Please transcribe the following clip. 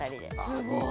すごい。